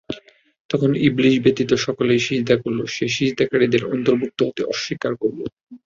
তখন ইবলীস ব্যতীত সকলেই সিজদা করল, সে সিজদাকারীদের অন্তর্ভুক্ত হতে অস্বীকার করল।